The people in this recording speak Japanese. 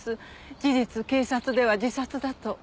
事実警察では自殺だと。